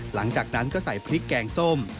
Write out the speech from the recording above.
หลังจากนั้นก็ใส่พริกแกงส้ม